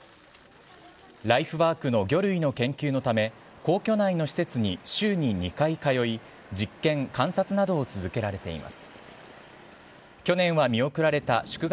ライフワークの魚類の研究のため皇居内の施設に週に２回通い実験、観察などを続けられています。